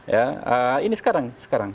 ya ini sekarang